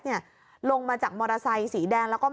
ลงมาจากมอเตอร์ไซค์สีแดงแล้วก็มา